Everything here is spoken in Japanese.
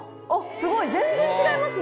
すごい全然違いますね。